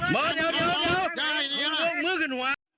มานี่